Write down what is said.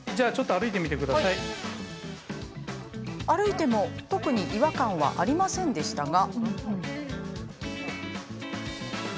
歩いても、特に違和感はありませんでしたが。